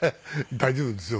大丈夫ですよ。